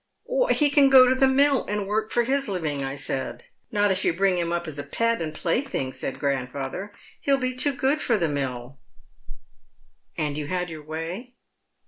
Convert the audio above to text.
'He can go to the mill and work for his living,' I said. ' Not if you bring him up as a pet and play thing,' said grandfather, ' he'll be too good for tlie milU' " Trot's History, S65 And you had your way